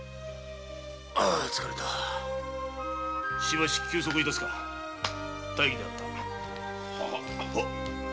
疲れたしばし休息致すか大儀であった。